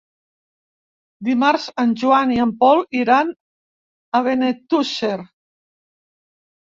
Dimarts en Joan i en Pol iran a Benetússer.